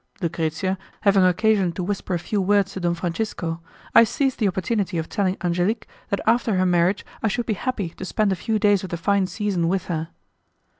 Lucrezia having occasion to whisper a few words to Don Francisco, I seized the opportunity of telling Angelique that after her marriage I should be happy to spend a few days of the fine season with her.